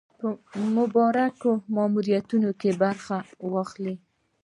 په مبارک ماموریت کې برخه واخلي.